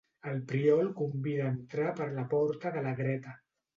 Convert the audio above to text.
El prior el convida a entrar per la porta de la dreta.